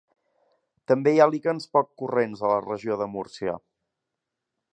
També hi ha líquens poc corrents a la Regió de Múrcia.